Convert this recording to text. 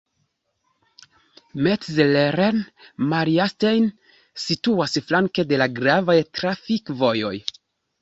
Metzleren-Mariastein situas flanke de la gravaj trafikvojoj.